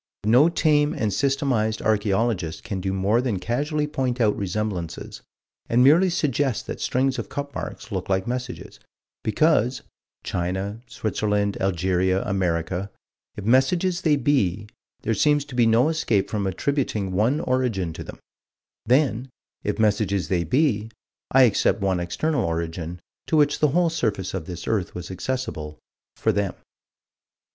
But no tame and systematized archaeologist can do more than casually point out resemblances, and merely suggest that strings of cup marks look like messages, because China, Switzerland, Algeria, America if messages they be, there seems to be no escape from attributing one origin to them then, if messages they be, I accept one external origin, to which the whole surface of this earth was accessible, for them.